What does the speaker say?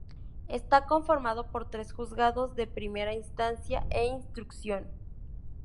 Está conformado por tres juzgados de primera instancia e instrucción..